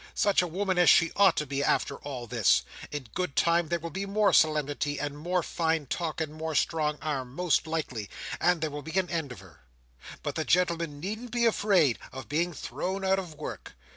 Such a woman as she ought to be, after all this. In good time, there will be more solemnity, and more fine talk, and more strong arm, most likely, and there will be an end of her; but the gentlemen needn't be afraid of being thrown out of work.